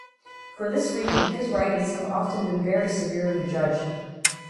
For this reason his writings have often been very severely judged.